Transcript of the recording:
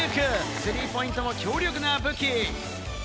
スリーポイントも強力な武器。